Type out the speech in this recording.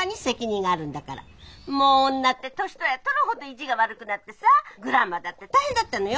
もう女って年取りゃ取るほど意地が悪くなってさグランマだって大変だったのよ。